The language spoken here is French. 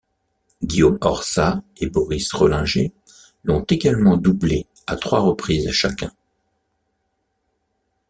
Guillaume Orsat et Boris Rehlinger l'ont également doublé à trois reprises chacun.